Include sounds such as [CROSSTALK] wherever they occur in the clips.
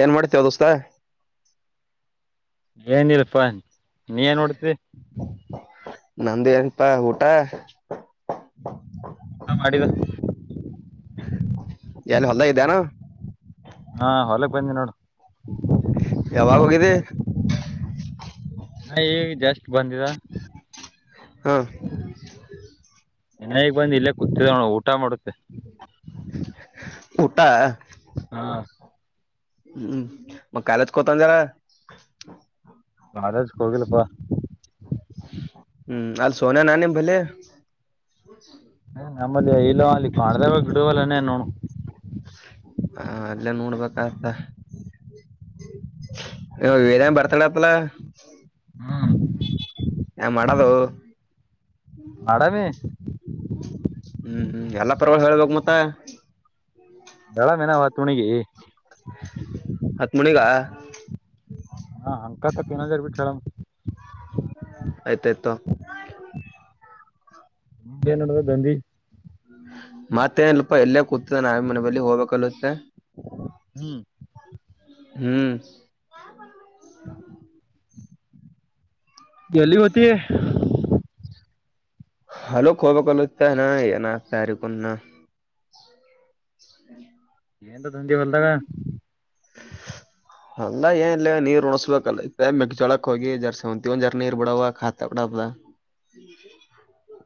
ಏನ್ ಮಾಡ್ತೇವ ದೋಸ್ತ ಏನಿರಪ್ಪಾ ನೀ ಏನ್ ನೋಡ್ತಿರಿ ನಂದಿಯನಪ್ಪಾ ಊಟಾ ಹಾ ಮಾಡಿದ ಎಲ್ಲಿ ಹೊಲ್ದ ಇದ್ದೇನು ಹಾ ಹೊಲಕ್ ಬಂದಿ ನೋಡು ಯಾವಾಗ ಹೋಗಿದ್ದಿ ಹಾ ಈಗ ಜಾಸ್ತಿ ಬಂದಿದ ಹಾ ನನಗ್ ಬಂದ್ ಇಲ್ಲೇ ಕೂತ್ಿದ ಊಟ ಮಾಡುತ್ತೆ ಊಟಾ ಹಾ ಹ್ಮ್ ಮ ಕಾಲಜ ಕೊತಾನ ಜರ ನಜಕ್ಕೆ ಹೋಗಿಲ್ಲಪ್ಪಾ ಸೋನ ನಾನ ಭಲೆ ಹ ನಮ್ಮಲ್ಲಿ ಇಲ್ಲ ಅಲ್ಲಿ ಮಾಡ್ದ ಬ ಬಿಡುವಲ್ಲನೇ ನೋನು ಹ ಅಲ್ಲ ನೋಡ್ಬೇಕಾಗ್ದ ಹ ದನ್ ಬರ್ತಾಳಪ್ಪಲ ಹ್ಮ್ ಯ ಮಾಡದು ಆಡಾಮಿ ಹ್ಮ್ ಹ್ಮ್ ಎಲ್ಲಾ ಪರವಾಗಿ ಹೇಳ್ಬೇಕೇಕ್ ಮತ್ತ ಬೆಳ ಮನಾವತ್ುಣಿಗಿ ಹತ್ತುಮನಗ ಹಾ ಅಂಕಕ್ಕ ಪಿನದರ್ ಬಿಟ್ಟ ಹೇಳ ಆಯ್ತಾಯ್ತು ನಿ ಏನ್ ನೋಡಬೇಕ ದಂದಿ ಮತ್ತೇಲ್ಪ ಎಲ್ಲೇ ಕೂತದ ನಾವೇ ಮನೆ ಬಲಿ ಹೋಗ್ಬೇಕಲ್ತ್ತೆ ಹ್ಮ್ ಹ್ಮ್ ಗಲ್ಲಿ ಹೊತಿ ಹಲೋ ಕೋಬ ಕಲ್ತ್ತ ಏನ ಸಾರ ಕುುನ್ನ ಎಏಂತ ತಂದೆ ಹೊಲ್ದಾಗ ಅಲ್ಲ ಏನ್ ಇಿಲ್ಲ ನೀರ್ ಉಣಸ್ಬೇಕಲ್ಲ ಮ ಚೊಳಕ್ ಹೋಗಿ ಜರ್ಸಂತವನ್ ಜರ ನೀರ್ ಬಿಡವ ತ ಬಿಡ ಹ್ಮ್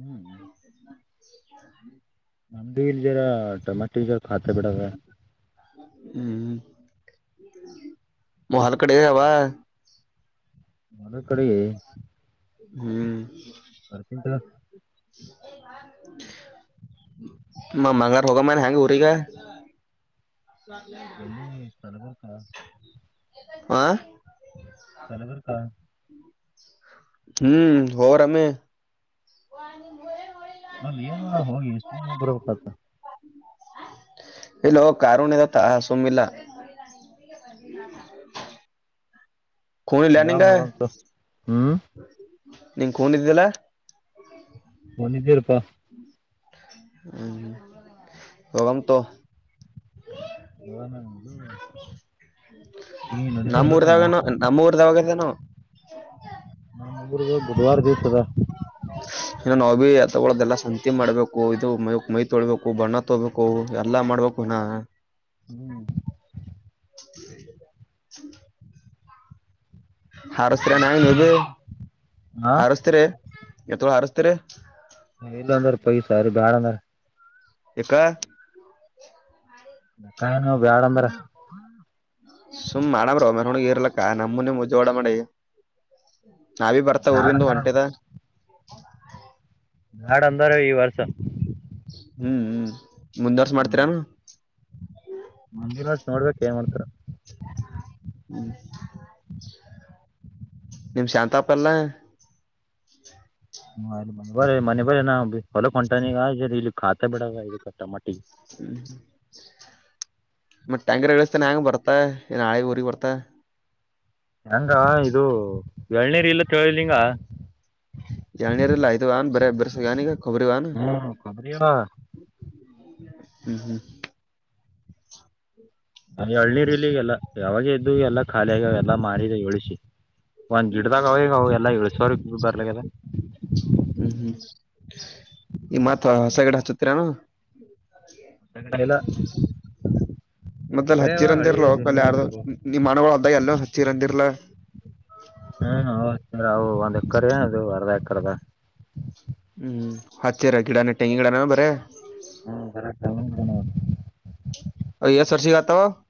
ಹ್ಮ್ ನಮ್ದು ಇಲ್ ಜರ ಟೊಮೆಟೋ ಖಾತ್ ಬಿಡದ ಹ್ಮ ಮಹಲ್ ಕಡೆವಾ ಮರ ಕಡೆಗೆ ಹ್ಮ್ ಬರ್ತೀಂತ ಮಮ್ಮಂಗಾರ ಹೋಗ ಮನ್ ಹೆ್ಯಾಂಗ ಉಊರೀಗ ಎಲ್ಲಿಿ ಸ್ಥಲಗುರ್ಕಾ ಆ ಬರಬರ್ ಕ ಹ್ಮ್ ಅವರ ಅಮೇ ಅಲ್ಲಿ ಏನ್ ಮಾಡೋಡ ಹೋಗಿ ಸುಮ್ ಬರಬೇಕತ ಹಲೋ ಕಾರುಣದತ್ತಾ ಸುಮಿಲ್ಲ ಹ ಮರಾಮ ಮರಾಮ ಹ್ಮ್ ನಿಂ ಕೂೊಂಡಿದ್ದಿಲ್ಲ ಹನಿದ್ದರಪಾ ಹ್ಮ ಗಾಮ ತ [UNINTELLIGIBLE] ಈ ನಡದಿ ಹೊಲಕ ನಮ್ಮೂಊರ್ದಗನ ನಮ್ಮ ಊರ್ದವಾಗದ ಏನೋ ನಮ್ ಮೂರ್ಗ ಬುಧವಾರ ದಿವ್ಸ ಅದ ಇನ್ನು ನಾವು ಬಿ ತಗೊಳ್ಳೋದಲ್ಲ ಸಂತಿ ಮಾಡ್ಬೇಕು ಇದು ಮೈ ಮೈ ತೊಳ್ಬೇಕು ಬಣ್ಣ ತೋಬೇಕು ಎಲ್ಲಾ ಮಾಡ ಮಾಡ್ಬೇಕುನಾ ಹ್ಮ್ [INAUDIBLE] ಹಾರಸ್ತೀರ ನಾ ಮತ್ತೇನ್ ನೀವು ನಡ್ದ ಹಾ ಹಾರಸ್ತೀರಿ ಎತ್ಳ ಹಾರಿಸ್ತೀರಿ ಇಲ್ಲ ಅಂದಾರ ಪಯ ಸಾರ ಬ್ಯಾಡ ಅಂದಾರ ಎ ಬೇಕನು ಬ್ಯಾಡ ಅಂಬಾರ ಸುಮ್ ಮಾಡ್ರೋ ಮ ಹ ಗರ್ಲಕ್ಕ ನಮ್ಮೂನೆ ಮುಜವಾಡ ಮಾಡೆ ನಾಿ ಬರ್ತಾವ ಬ್ಯಾಡ ಊರ್ಗಿಂದು ಅಂದಾರ ಹೊಂಟದ ನಾಡ ಅಂದ್ರ ಈ ವರ್ಷ ಹ್ಮ್ ಹ್ಮ್ ಮುಂದುವರ್ಸ ಮಾಡ್ತೀರಾನ ಹಷ ನೋಡ್ಬೇಕು ಏನ್ ಮಾಡ್ತಾರ ಹ್ಮ್ ನಿಮ್ ಶಾಂತಾಪ ಎಲ್ಲ ಹ ಮ ಬರ ಮನೆ ಬರ ನಾ ಹೊಲ ಹೊಂಟಾನಗ ಇಲ್ಲಿ ಾ ಬಿಡ ಇ ಕಟ್ಟ ಮಟ್ಟಿಗೆ ಹ್ಮ್ ಮತ್ತತ್ ಟ್ಯಾಂಕರ್ ಇಳಸ್ತಾನ ಹೆ್ಯಾಂಗ ಬರ್ತಾ ಇನ್ ನಾಳೆ ಊರಿಗೆ ಬರ್ತಾ ಹೆಂಗ ಇದು ಳ್ನೀರ್ ಇಲ್ಲ ಕೇಳಲಿಂಗ ಯಾಣಿರಲ್ಲಯಿತು ಆ ಬರ ಬರ್ಷ ಯಾನಗ ಬರಿ ವಾನ ಹ್ಮ್ ಕೊಬ್ಬರಿ [INAUDIBLE] ಹ್ಮ್ ಹ್ಮ್ ಹಳ್ನೀರ್ ಇಲ್ಲಿ ಎಲ್ಲಾ ಯಾವಾಗ ಇದದ್ದು ಎಲ್ಲಾ ಖಾಲಿ ಆಗ ಎಲ್ಲಾ ಮಾರ ಉಳಿಸಿ ಒಂದ್ ಗಿಡ್ದಾಗ ಅವಗ ಅವ ಎಲ್ಲಾ ಏಳ್ ಸಾವ್ರ ಬರ್ಲಗೆಲ್ಲ ಹ್ಮ್ ಹ್ಮ್ ಈ ಮಾತ್ ಚತ್ರರ ನ ಇಲ್ಲ ಹ್ಮ ಮೊದಲ್ ಅವೇವ ಹಳಿವೆ ಹಚ್ಚಿರಂದಿರ್ಲಲ್ ದುನಿಯಾದ ಯಾರ್ದು ಗಿಡಗಳು ನಿಮ್ ಮನಗಳು ಅದ್ದಾಗ ಎಲ್ಲ ಹಚ್ಚಿರಂದಿರ್ಲ [UNINTELLIGIBLE] ಹ್ಮ್ ಹ ಸ ಅವು ಒಂದ್ ಎಕರೆ ಅದು ಅರ್ಧ ಎಕರ್ದ [UNINTELLIGIBLE] ಹ್ಮ್ ಹತ್ತಿರ ಗಿಡನ ತೆಂಗಿ ಗಿಡಾನ ಬರ [UNINTELLIGIBLE] ಹ್ಮ ಸರ ಹ [UNINTELLIGIBLE] ಅ ಎ ಸರ್ಷಿ ಗತಾವ [UNINTELLIGIBLE]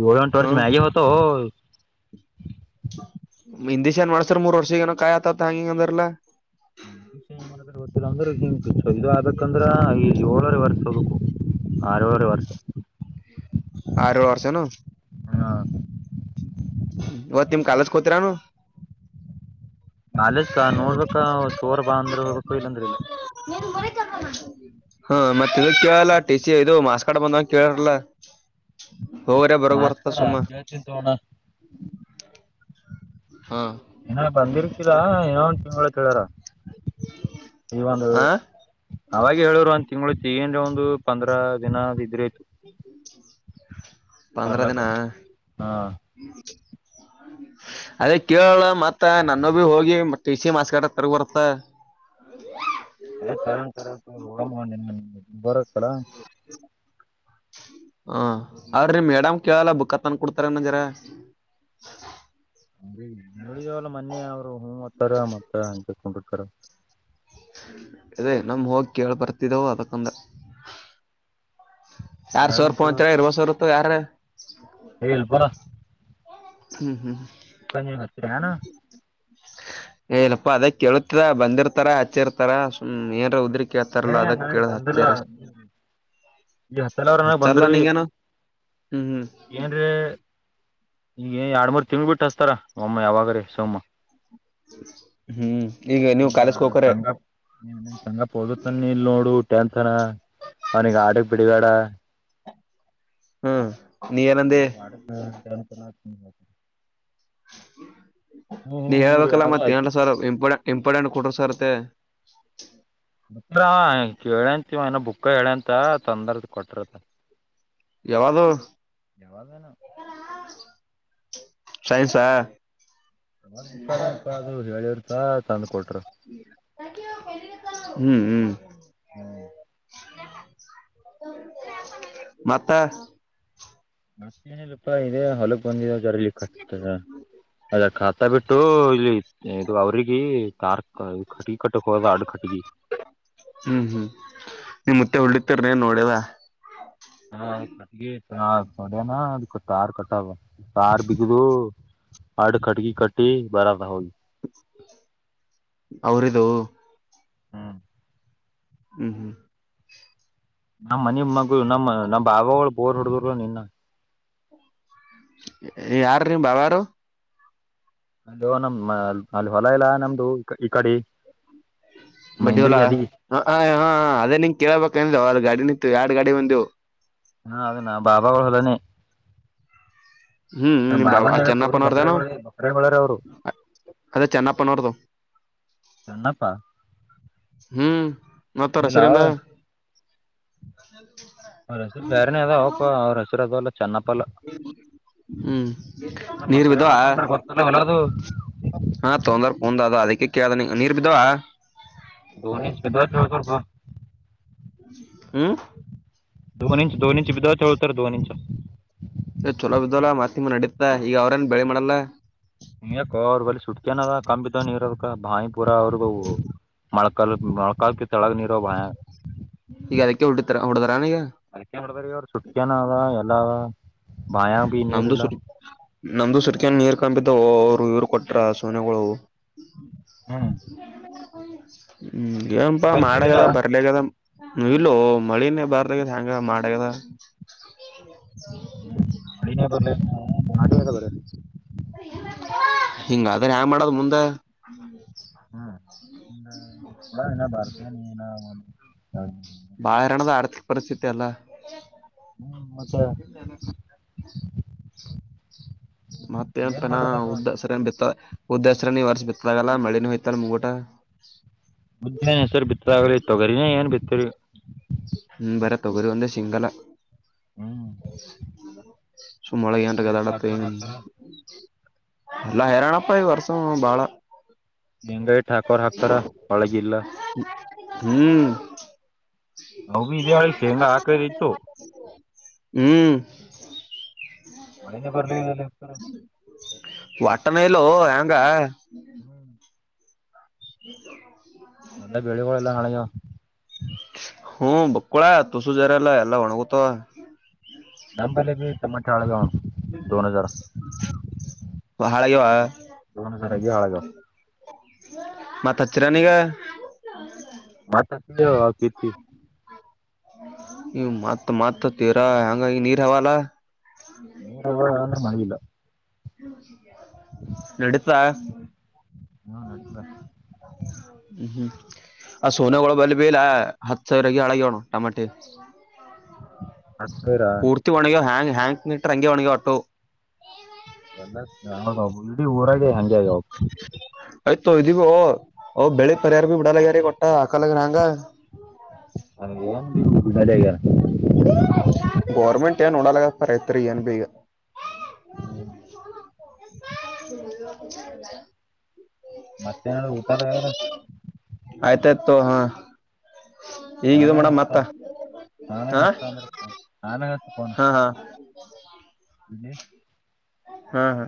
ಳ ಒಂಟ ವರ್ಷ ಹ್ಮ್ ಮ್ಯಗಿ ಹೊತ [UNINTELLIGIBLE] ಹಿಂದಿ್ಏನ್ ಮಾಡ್ಸರ್ ಮೂರ್ ವರ್ಷ ಏನ ಕಾಯ ಆತವತ್ ಹಂಗ ಅಂದ್ರಲಾ [UNINTELLIGIBLE] ಹಷ ಏ ಮಾಡ ಗೊತ್ತಿಲ್ಲ ಅಂದ್ರೆ ಹಂಗ ಇದು ಆಕಂದ್ರ ಈ [UNINTELLIGIBLE] ಎವರೆ ವರ್ಷ ಹೋಗು ಆರೂವರೆ ವರ್ಷ [UNINTELLIGIBLE] ಆರು ಆರ್ಸನು [UNINTELLIGIBLE] ಹಾ [UNINTELLIGIBLE] ಹೊ ತಿಮ ಕಾಲಜ ಕೊೋತರಾ ನ [UNINTELLIGIBLE] ಕಾಲೇಜ್ ಕಾ ನೋಡ್ಬೇಕ ಶೋರ್ ಬಾ ಅಂದ್ರೆ ಹೋಗ್ಬೇಕು ಇಲ್ಲಾಂದ್ರ ಇಲ್ಲ [UNINTELLIGIBLE] [INAUDIBLE] ಹಾ ಮತ್ತೆ ಇ ಕೇಳಲ್ಲ ಟ ಸಿ ಇದು ಮಾಸ್ ಕಾಡ ಬಂದಂಗ ಕೇಳಾರಲ್ಲ [UNINTELLIGIBLE] ಹೋಗರೇ ಬರಗ್ ಬರ್ತ ಮಾಸ್ತರ ಸುಮ್ಮ ಕೇಳ್ತೀನಿ ತಗೋಣ [UNINTELLIGIBLE] ಹಾ ಏನ ಬಂದಿರ್ತೀರಾ ಏನೋ ಒ ತಿಳ್ಳ ಕಾರ [UNINTELLIGIBLE] ಈ ಒಂದು ಹಾ ಅವಾಗ ಹೇಳರು ಒಂದು ತಿಂಗಳು [UNINTELLIGIBLE] ಈಏನ್ ಒಂದು ಪಂದ್ರ ದಿನ ಇದ್ರೆ [UNINTELLIGIBLE] ಪಂದ್ರ ಬರ್ಲಕ್ಕ ದಿನ [UNINTELLIGIBLE] [INAUDIBLE] ಅದೇ ಕೇಳಳ ಮತ್ತ ನನ್ನ ಭ ಹೋಗಿ ಟ ಸಿ ಮಾಸ್ಗಟ ತರ್ಗ ಬರ್ತ್ತ ಅ ಬರಕ್ಕಡ [INAUDIBLE] ಹ ಅವ್ರಿ ಮೇಡಮ್ ಕೇಳಲ್ಲ ಬುಕ್ಕ ತನ್ ಕೊಡ್ತಾರ ನಜ್ರ ಅ ನೋಿದವಲ್ಲ ಮೊೆ ಅವ್ರು ಹೂ ಹ್ತ್ತಾರ ಮತ್ತ ಅಂತಕೊಂಡಿರ್ತಾರ ಇದೇ ನಮ್ ಹೋಗಿ ಕೇೇಳ ಬರ್ತಿದ್ದೇವು ಅದಕ್ಕಂದ ಯಾರ್ ಸೋರ್ ಹೇಳಂತು ಪಂತರ ಇರುವ ಸರ್ ಯಾರ ಹೇಬ ಹ್ಮ್ ಹ್ಮ್ ಇಪ್ಪ ಹತ್ರಿ ಹಾನ ಏಲ್ಲಪ್ಪಾ ಅದೇ ಕೇಳತರ ಬಂದಿರ್ತಾರ ಹಚ್ಚಿರ್ತಾರ ಸುಮ್ ಏನ್ ಉದ್ರ ಏ ಕ್ಕತಾರಲ್ಲಾ ಅದಕ್ ನನಗ್ ಕೇಳ ಬಂದಿಲ್ಲ ಹಚ್ಚಾರ ಈ ಹತ್ತಲವ್ರ ಹಚ್ಚಲ್ಲ ನಿಂಗೇನು ಹ್ಮ್ ಹ್ಮ್ ನ್ರೆ ಈಗ ಏ ಎರಡ್್ಮರ್ ತಿಂಗ ಬಿಟ್ಟ ಹಸ್ತಾರ ಒಮ್ಮ ಯಾವಾಗ್ರ ಸೋಮ್ಮ ಹ್ಮ್ ಈಗ ನೀವು ನಿಮ್ಮ ಕಾಲೇಜ್ಗೆ ಹೋಗಕರೆ ಸಂಗ ನಿಮ್ ಸಂಗಪ್ ಓದತ ಇಲ್ ನೋಡುಟ ಅವನಿಿಗೆ ಆಡಗ್ ಬಿಡಬ್ಯಾಡ ಹ್ಮ್ ನೀ ಏನಂದಿ ಅಡಂತ ನೀ ರೀ ಹೇಳ್ಬೇಕಲ್ಲ ಅನ್ನೋದು ಮತ್ತ ಆಯ್ತು ಏನ್ ಸರ್ ಇಂಪ ಇಂಪಾರ್ಟೆಂಟ್ ಕೊಟರು ಸರ್ ಅತ್ತೆ ಹ ಕೇಳ್ಯಂತವ ಏನ ಬುಕ್ಕ ಹೇಳ್ಯಂತ ತಂದರ್ದ ಕೊಟರತ ಯಾವದುು ಸೈನ್ಸಾ ನೋ ಮುಕ್ಕದೇನಪಾ ಅದು ಹೇಳಿವರ್ಸ ತಂದ ಹ್ಮ್ ಹ್ಮ್ ಹ್ಮ್ ಮತ್ತೆ ಮತ್ತ ನಲ್ೂಪ ಇದೆ ಹೊಲಗ್ ಬಂದಿದೆ ಜರಲಿತ ಅದ ಖಾತಾ ಬಿಟ್ಟ ಇದು ಇಲ್ಲಿ ಇದು ಅವ್ರಿಗೆ ಕಾರ್ ಕಟ್ಟ ಕಟ್ಟಖೋ ರಡ ಕಟ್ಟಗ ಎಳಿ ತಿರ್ನೇ ನೋಡದ ಹಾ ಹಾಗ ಹಾ ಸಡನಾಕ್ಕೆ ತಾರ ಕಟ್ಟಾವ ತಾರ ಬಿಗುದು ಹಡ್ ಕಟಗಿ ಕಟ್ಟಿ ಬರ ರಹುಲ್ ಅವ್ರವು ಹ್ಮ ಹ್ಮ್ ಹ್ಮ್ ನಾ್ ಮನ ಮಗು ನಮ್ಮ ನಮ್ಮ ಬಾಬಾಗಳ ಬೋರ್ ಹುಡಿದರು ನಿನ್ನ ಯಾರ ರೀ ಬಬಾರು ಅಲ್ಲೋ ನಮ್ ಅಲ್ಲಿ ಹೊಲ ಇಲ್ಲಾ ನಮ್ದು ಈ ಕಡೆ ಬಡ್ಡಿವಲ್ಲಾ ಮೈಂದ್ರಗಿ ಅದಿ ಹ ಅದೇ ನಿನ್ ಕೇಳ್ಬೇಕ ಗಾಡಿಿನ ಎರಡು ಗಾಡಿ ಬಂದವು ಹಾ ಅದನ್ನ ಬಾಬಾಗಳ ಹೊಲನೆ ಹ್ಮ್ ನಮ ನಿಮ್ ಬಾಬಾ ಬಾಬಾನ ಆ ಹೇಳ್ ಅವ್ರು ಚೆನ್ನಪ್ಪನವ್ರದೇನು ಬಕ್ರಗಳಳ ಬಕ್ರಗೋಳರ ಅವ್ರು ಅದೇ ಚೆನ್ನಪ್ಪನೋರ್ತ ಚ್ಣಪ್ಪ ಹ್ಮ್ ಮಾಡತಾರ ಸರಿ ಅಂದ ಅವ್ರ ಹಸರು ಬೇರೆನೇ ಅದಾವಪ್ಪ ಅವ್ರ ಹಸರು ಅದಲ್ಲ ಚೆನ್ನಪ್ಪಲ್ಲ ಹ್ಮ್ ನೀರು ಬಕ್ರಗಳ ವಿಧವಾ ತೊಂಡ್ರ ಗೊತ್ತಲ್ಲ ಹೊಲ ಅದು ಹಾ ತೊಂದರ್ ಕುಂದ್ ಅದ ಅದಕ್ಕೆ ಕೇಳದ ನೀರ್ ಬಿದ್ದವಾ ದೊನ ಕೊಬೇಕ ಹ್ಮ ದೊನ್ ಇಂಚ ದೊನ್ ಇಂಚ ಬಿಿದ ಚಳತಾರೆ ದೊನ್ ಇಂಚ ಸ ಚೊಲೋ ಬಿದ್ದಲ್ಲ ಮಾತಿಮ್ಮ ನಡತಾ ಈಗ ಅವ್ರೇನ್ ಬೆಳೆ ಮಾಡಲ್ಲ ಹ ಯಾಕ ಅವ್ರ ಬಳ ಸುಟ್ತನದ ಕಂಬಿದವ ನೀರ್ ಅದಕ ಬಾಯಿಪುರ ಅವ್ರಗ ಮಳಕಲ್ ಮಳಕಲ್ಕ್ಕೆ ತಡಕ ನೀರೋ ಭಾಯ ಈಗ ಅದಕ್ಕೆ ಹೊಡ್ಡಿತಡ ಅದಕ್ಕೆ ಮಾಡ್ಬ್ರ ಅವರು ಸುಟ್ಕೇನ ಅವ ಎಲ್ಲ ಅವ ನಮ್ದು ಸುರ್ ನಮ್ದು ಸರ್ ನೀರ್ ಕಾಣಪಿದ್ದೆ ಅವರು ಇವ್ರು ಕೊಟ್ರ ಸೋನೆಗಳು ಹ್ಮ್ ಹ್ಮ್ ಏಪಾ ನಿಂಬಲ್ಲಿ ನೀರಿಲ್ಲ ಮಾಡಗದ ಬರ್ಲಿಗದ ಇಲ್ಲೋ ಮಳನೇ ಬಾರ್ದಾಗದ ಹೆಂಗ ಮಾಡ್ಯಗದ ಮಳಿನೇ ಬರಲಿ ನಡಿನಾಗ ಬರಲಿ ಹಿಂಗ ಅ್ರ ಯಾ ಮಾಡದು್ ಮುಂದೆ ಹ್ಮ್ಡಏ ಬರ್ತ ನೀ ಏನ ಹ ಬಹಣದ ಆರ್ಥಿಕ ಪರಿಸ್ಥಿತಿ ಅಲ್ಲ ಹ್ಮ್ ಮತ್ತೆ ಇ ಮತ್ತೆ ಏನ್ ಪನ ಮಾಡದಪ್ಪ ಉದ್ದ ಸರಿಯ ಬಿತ್ತ ಉದ್ದಸರ ನೀವ ವರ್ಷ ಬಿತ್ತದಾಗಲ್ಲ ಮಳೆನ ಹಯ್ತಲ್ಲ ಮುಗೋಟ ಮುದ್ದ ನ್ ಹೆಸರು ಬಿತ್ತಾಗಲಿ ತಗರಿನ ಏನ್ ಬಿತ್ತರಿ ಹ್ಮ ಬರ ತಗೋದು ಒಂದ್ರೆ ಸಿಂಗಲ ಹ್ಮ್ ಸುಮ್ಮೊಳಗೆ ಂ ಶೇಂಗಾ ಇಟ್ಟು ಗದಾಡತ್ತೆ ಹಾಕೋರ್ ಹಾಕ್ತಾರ ಅಲ್ಲ ಹೇರಾಣಪ್ಪ ಈ ವರ್ಷ ಬಾಳ ಹೆಂಗೈ ಠಾಕೋರ್ ಹಾಕ್ತಾರ ಒಳಗಿಲ್ಲ ಹ್ಮ್ ನ ಬಿ ಇದೇಾಳಿ ಶೇಂಗಾ ಹಾಕ ಇತ್ತು ಹ್ಮ್ ಮಳಿಂದ ಕೊರಲಲ್ಲ ಇರ ಒಟ್ಟಣಲ್ಲೋ ಹೆಂಗ ಹ್ಮ್ ಹ ಎಲ್ಲ ಬೆಳಗಳ ಎಲ್ಲ ಹಣೆಯೋ ಹ್ಮ್ ಬಕ್ಕೊಳ ತುಸು ಜಾರಲ್ಲ ಎಲ್ಲಾ ಒಣಗತ ನಮ್ಮ್ಲೆ ಬಿ ಟಮಾಟೆ ಹಳಗ ಬಹಳ ಯ ದೋನ್ ಹಜಾರ್ ಆಗಿ ಹಾಳಾಗ್ಯಾವ ಮತಚ್ಚರನಗ ಮಾತ ಸಿ ಕತಿ ನೀ ಮತ್ ಮತ್ ತೀರಾ ಹಂಗಾಗಿ ನೀರ್ ಹವಲ್ಲ ನೀರ ಯಂದ್ರೆ ಮಳ ಇಲ್ಲ ನಡತ ಹ್ಮ ನಡಿುತ್ತ ಹ್ಮ್ ಹ್ಮ್ ಆ ಸೋನಗಳು ಬಲ್ಬಿಲ್ಲ ಹತ್ತು ಸಾವಿರಕ್ಕೆ ಅಳಗೋಣ ಟಮಾಟೆ ಹತ್ತಿರ ಪೂರ್ತಿ ಒಣಿಗಿವ ಹ್ಯಾಂಗ್ ಹ್ಯಾಂಗ ನಿಟ್ರ ಹಂಗೆ ಒಣಗಾವ ಅಟ್ಟು ಎಲ್ಲ ಇಡೀ ಊರಾಗ ಹಂಗೆಗ ಹೋಗ ಆಯ್ತೋ ಇದೀವಿ ಓ್ ಬೆಳಿ ಪರಿಹಾರ ಬಿ ಬಿಡಲ್ಲಗ್ಯಾರಿ ಕೊಟ್ಟ ಹಾಕಲಾಗ ನಂಗ ಅ ಏನ್ದಗ ಗೋರ್ಮೆಂಟ್ ಏನ್ ನೋಡಲ್ಲಪ್ಪ ರೈತ್ರಿ ಏನ್ ಬೇಗ [INAUDIBLE] ಮತ್ತೆನ ಊಟದವರ ಆಯ್ತಾಯ್ತು ತೊ ಹಾ ಈಗ ಇದು ಆಮೇಾಗ ಮಾಡಮ್ ಹಸ್ತ ಮತ್ತ ಆಮೇಾಗ ಹಾ ಹಸ್ತ ಅಂದ್ರೆ ಫೋನ್ ಆಮೇಾಗ ಹತ ಫೋನ್ ಹ ಇಲ್ಲಿ ಹಾ ಹಾ